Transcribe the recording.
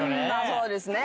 そうですね。